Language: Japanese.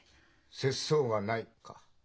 節操がないか。